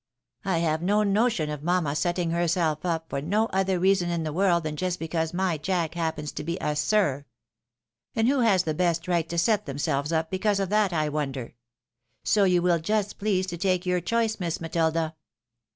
I have no notion of mamma setting herself up, for no other reason in the world than just because my Jack happens to be a SiK. And who has the best right to set themselves up because of that, I wonder ? So you will just please to take your choice, Miss Matilda."